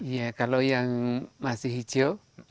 ya kalau yang masih hijau